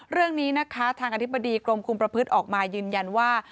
เรื่องนี้นะคะทางอธิบดีกรมคุมประพฤติออกมายืนยันว่า